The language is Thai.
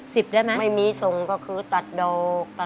สิบแล้วไหมไม่มีส่งก็คือตัดโดกตัดโดก